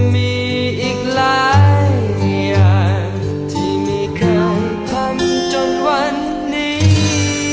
มีอีกหลายอย่างที่มีใครทำจนวันนี้